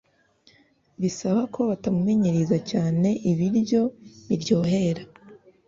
bisaba ko batamumenyereza cyane ibiryo biryohera